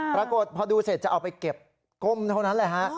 ปรากฏพอดูเสร็จจะเอาไปเก็บก้มเท่านั้นแหละฮะ